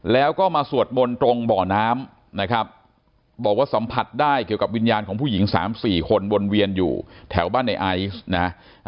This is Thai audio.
แล้วก็มาสวดมนต์ตรงบ่อน้ำนะครับบอกว่าสัมผัสได้เกี่ยวกับวิญญาณของผู้หญิง๓๔คนวนเวียนอยู่แถวบ้านในไอซ์นะฮะ